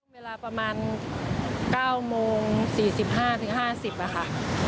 เวลาประมาณ๙โมง๔๕๕๐ค่ะ